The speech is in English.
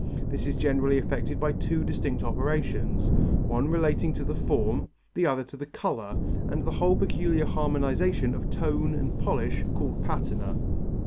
This is generally effected by two distinct operations, one relating to the form, the other to the colour and the whole peculiar harmonization of tone and polish called patina.